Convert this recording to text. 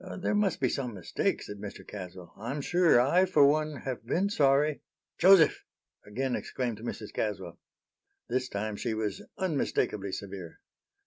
"There must be some mistake," said Mr. Caswell. "I'm sure I, for one, have been sorry" "Joseph!" again exclaimed Mrs. Caswell. This time she was unmistakably severe.